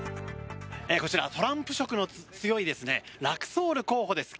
こちら、トランプ色の強いラクソール候補です。